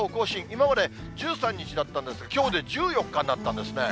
今まで１３日だったんですが、きょうで１４日になったんですね。